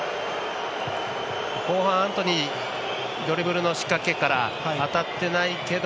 後半、アントニードリブルの仕掛けから当たってないけど